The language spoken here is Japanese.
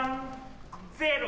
ゼロ！